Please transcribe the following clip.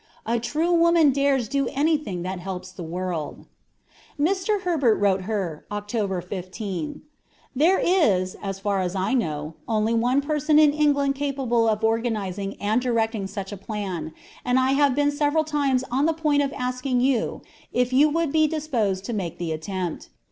A true woman dares do anything that helps the world. Mr. Herbert wrote her, Oct. 15: "There is, as far as I know, only one person in England capable of organizing and directing such a plan, and I have been several times on the point of asking you if you would be disposed to make the attempt.